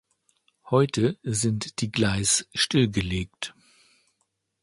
Heute sind die Gleis stillgelegt.